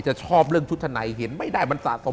ชอบเรื่องชุดชั้นในเห็นไม่ได้มันสะสม